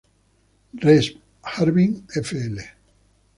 Res., Harbin; Fl.